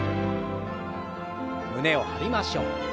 胸を張りましょう。